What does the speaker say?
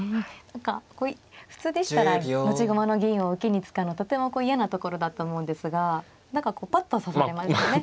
何か普通でしたら持ち駒の銀を受けに使うのとてもこう嫌なところだと思うんですが何かこうぱっと指されましたね。